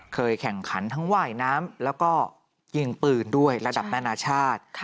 แข่งขันทั้งว่ายน้ำแล้วก็ยิงปืนด้วยระดับนานาชาติ